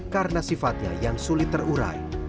karena sifatnya yang sulit terurai